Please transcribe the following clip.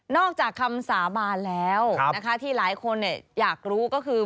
จากคำสาบานแล้วนะคะที่หลายคนอยากรู้ก็คือ